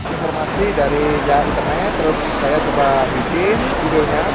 informasi dari jalan internet terus saya coba bikin judulnya